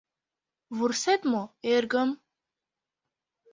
— Вурсет мо, эргым?